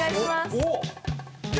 おっ！